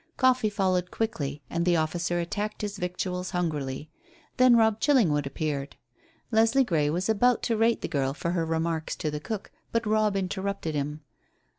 Coffee followed quickly, and the officer attacked his victuals hungrily. Then Robb Chillingwood appeared. Leslie Grey was about to rate the girl for her remarks to the cook, but Robb interrupted him.